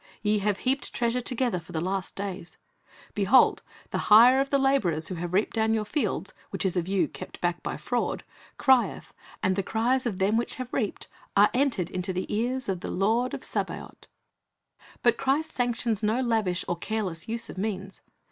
Ye have heaped treasure together for the last days. Behold, the hire of the laborers who have reaped down your fields, which is of you kept back by fraud, crieth; and the cries of them which have reaped are entered into the ears of the Lord of Sabaoth."^ But Christ sanctions no lavish or careless use of means.